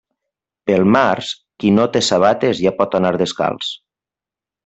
Pel març, qui no té sabates ja pot anar descalç.